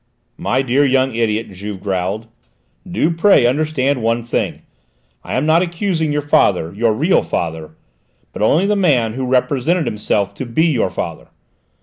"My dear young idiot," Juve growled, "do pray understand one thing: I am not accusing your father, your real father, but only the man who represented himself to be your father!